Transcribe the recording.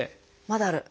まだある？